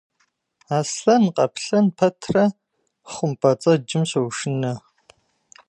Аслъэн-къаплъэн пэтрэ хъумпӏэцӏэджым щощынэ.